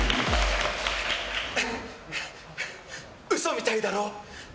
嘘みたいだろ！